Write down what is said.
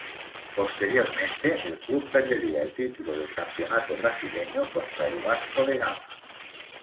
Posteriormente, el club perdería el título del Campeonato Brasileño contra el Vasco da Gama.